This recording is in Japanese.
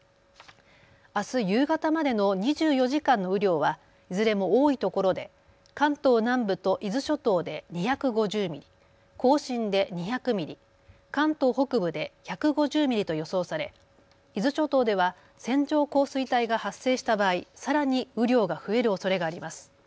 あす夕方までの２４時間の雨量はいずれも多いところで関東南部と伊豆諸島で２５０ミリ、甲信で２００ミリ、関東北部で１５０ミリと予想され伊豆諸島では線状降水帯が発生した場合、さらに雨量が増えるおそれがあります。